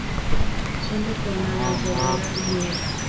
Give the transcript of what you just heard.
Son de forma lanceolada-lineal.